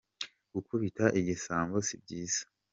gukubita igisambo sibyiza.